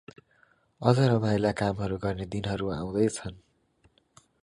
अझ रमाइला कामहरु गर्ने दिनहरु पनि अाउदैँ छन्